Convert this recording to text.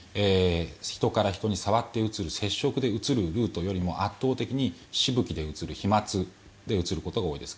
人から人に触ってうつる接触でうつるルートよりも圧倒的にしぶきでうつる飛まつでうつることが多いです。